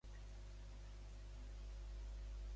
Quina pena aquests presos?